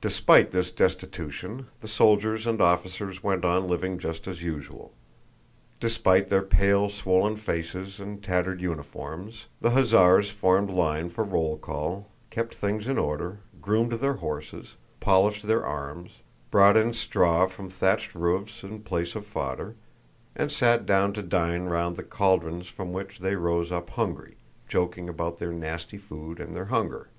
Despite this destitution, the soldiers and officers went on living just as usual. Despite their pale swollen faces and tattered uniforms, the hussars formed line for roll call, kept things in order, groomed their horses, polished their arms, brought in straw from the thatched roofs in place of fodder, and sat down to dine round the caldrons from which they rose up hungry, joking about their nasty food and their hunger.